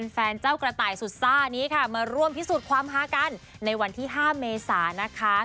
เจ้ากระต่ายสุดซ่านี้ค่ะมาร่วมพิสูจน์ความฮากันในวันที่๕เมษานะคะ